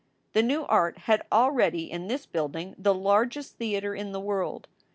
The new art had already in this building the largest theater in the world.